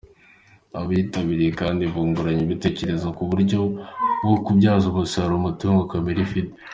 Abayitabiriye kandi bunguranye ibitekerezo ku buryo bwo kubyaza umusaruro umutungo kamere ifite.